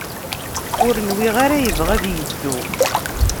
Ur nwiɣ ara yebɣa ad yeddu.